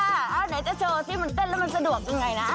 เอาไหนจะโชว์สิมันเต้นแล้วมันสะดวกยังไงนะ